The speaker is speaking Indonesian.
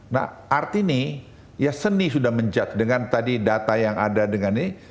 nah arti nih ya seni sudah menjudge dengan tadi data yang ada dengan ini